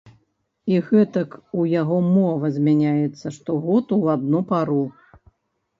І гэтак у яго мова змяняецца штогоду ў адну пару.